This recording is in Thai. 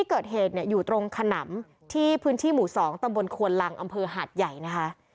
เกิดเหตุเนี่ยอยู่ตรงขนำที่พื้นที่หมู่๒ตำบลควนลังอำเภอหาดใหญ่นะคะ